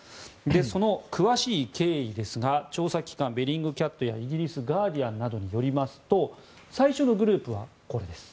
その詳しい経緯ですが調査機関べリングキャットやイギリス、ガーディアンなどによりますと最初のグループはこれです。